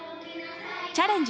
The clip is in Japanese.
「チャレンジ！